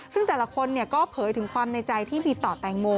ซึ่งแต่ละคนก็เผยถึงความในใจที่มีต่อแตงโม